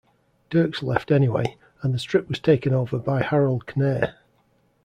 Dirks left anyway, and the strip was taken over by Harold Knerr.